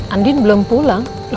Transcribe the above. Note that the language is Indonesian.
andin belum pulang